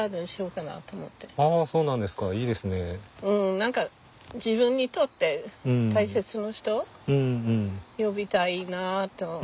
何か自分にとって大切な人呼びたいなと。